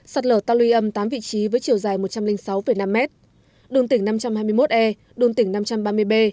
sạt lở ta luy âm tám vị trí với chiều dài một trăm linh sáu năm m đường tỉnh năm trăm hai mươi một e đường tỉnh năm trăm ba mươi b